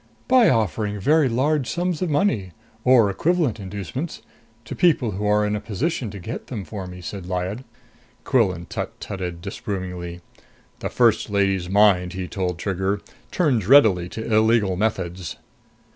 "By offering very large sums of money, or equivalent inducements, to people who are in a position to get them for me," said Lyad. Quillan tut tutted disapprovingly. "The First Lady's mind," he told Trigger, "turns readily to illegal methods."